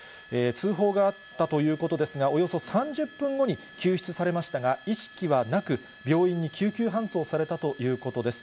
通報があったということですが、およそ３０分後に救出されましたが、意識はなく、病院に救急搬送されたということです。